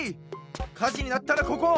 かじになったらここ！